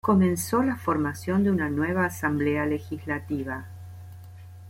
Comenzó la formación de una nueva asamblea legislativa.